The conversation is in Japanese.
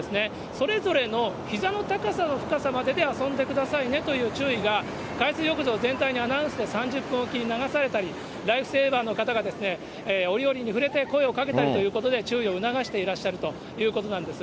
それぞれのひざの高さの深さまでで遊んでくださいねという注意が、海水浴場全体にアナウンスで３０分置きに流されたり、ライフセーバーの方が折々に触れて、声をかけたりということで、注意を促していらっしゃるということなんです。